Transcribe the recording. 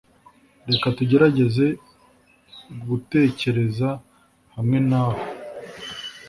reka tugerageze gutekereza hamwe nabo